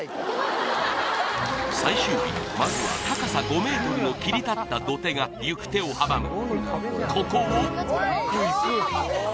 最終日まずは高さ５ｍの切り立った土手が行く手を阻む